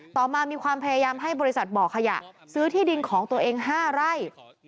ต่อมามีความพยายามให้บริษัทบ่อขยะซื้อที่ดินของตัวเอง๕ไร่